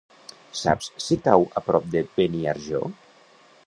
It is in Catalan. Saps si cau a prop de Beniarjó?